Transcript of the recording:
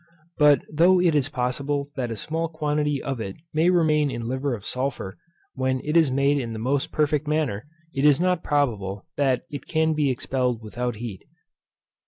But though it is possible that a small quantity of it may remain in liver of sulphur, when it is made in the most perfect manner, it is not probable that it can be expelled without heat.